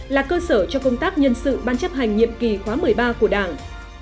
là cơ sở cho công tác nhân sự ban chấp hành nhiệm kỳ khóa một mươi ba của đảng